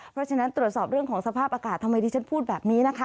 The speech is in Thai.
เพราะฉะนั้นตรวจสอบเรื่องของสภาพอากาศทำไมดิฉันพูดแบบนี้นะคะ